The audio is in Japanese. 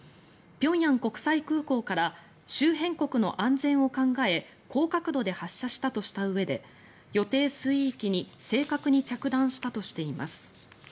平壌国際空港から周辺国の安全を考え高角度で発射したとしたうえで予定水域に正確に着弾したとみられています。